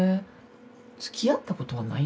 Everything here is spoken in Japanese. つきあったことはないの？